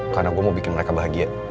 karena gue mau bikin mereka bahagia